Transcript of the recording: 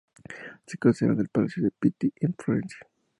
Se conserva en el Palacio Pitti en Florencia.